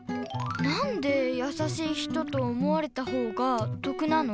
なんでやさしい人と思われたほうが得なの？